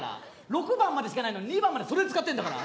６番までしかないのに２番までそれ使ってんだから。